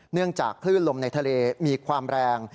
เนื่องจากคลื่นลมในทะเลมีความแรง